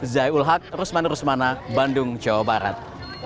zai ulhak rusman rusmana bandung jawa barat